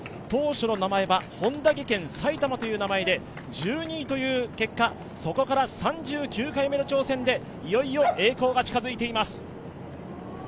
当初の名前は本田技研埼玉という名前で１２位という結果、そこから３９回目の挑戦でいよいよ栄光が近づいています。